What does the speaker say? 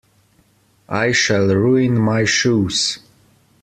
I shall ruin my shoes.